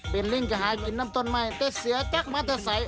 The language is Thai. เป็นลิ้งก็หายกินน้ำต้นใหม่แต่เสียจักรมาแต่ใส่